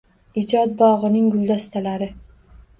Ijod bog‘ining guldastalari